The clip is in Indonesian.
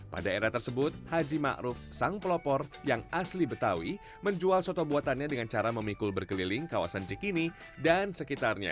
pada era tersebut haji ⁇ maruf ⁇ sang pelopor yang asli betawi menjual soto buatannya dengan cara memikul berkeliling kawasan cikini dan sekitarnya